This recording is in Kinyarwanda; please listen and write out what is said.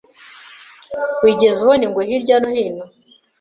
Wigeze ubona ingwe hirya no hino?